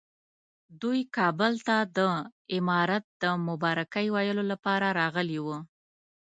دوی کابل ته د امارت د مبارکۍ ویلو لپاره راغلي وو.